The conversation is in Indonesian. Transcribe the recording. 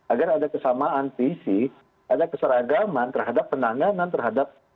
agar ada kesamaan visi ada keseragaman terhadap penanganan terhadap